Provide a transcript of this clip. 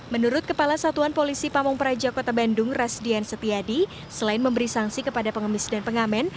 menurut kepala satuan polisi pamung praja kota bandung rasdian setiadi selain memberi sanksi kepada pengemis dan pengamen